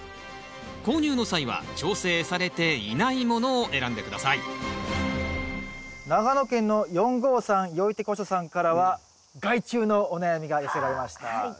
購入の際は調整されていないものを選んで下さい長野県の４５３よいてこしょさんからは害虫のお悩みが寄せられました。